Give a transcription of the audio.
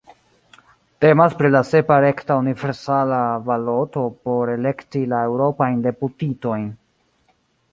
Temas pri la sepa rekta universala baloto por elekti la eŭropajn deputitojn.